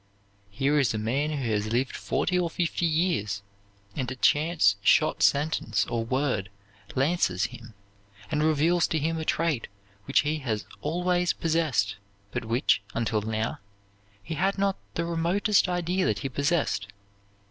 "Here is a man who has lived forty or fifty years; and a chance shot sentence or word lances him, and reveals to him a trait which he has always possessed, but which, until now, he had not the remotest idea that he possessed.